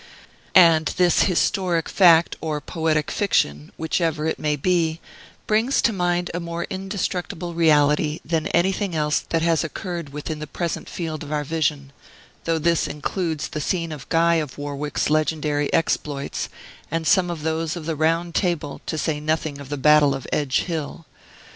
And this historic fact or poetic fiction, whichever it may be, brings to mind a more indestructible reality than anything else that has occurred within the present field of our vision; though this includes the scene of Guy of Warwick's legendary exploits, and some of those of the Round Table, to say nothing of the Battle of Edge Hill.